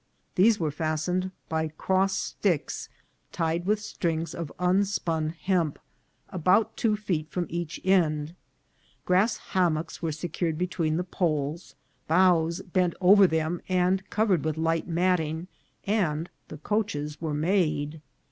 These were fastened by cross sticks tied with strings of unspun hemp, about two feet from each end ; grass hammocks were secu red between the poles, bows bent over them and cov ered with light matting, and the coaches were made.